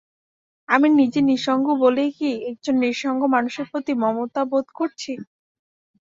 আমি নিজে নিঃসঙ্গ বলেই কি একজন নিঃসঙ্গ মানুষের প্রতি মমতা বোধ করছি?